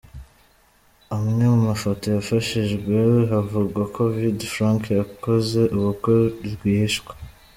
Amwe mu mafoto yifashishijwe havugwa ko Vd Frank yakoze ubukwe rwihishwa.